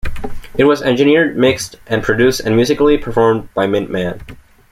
It was engineered, mixed and produced and musically performed by Mintman.